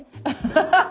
ハハハハ！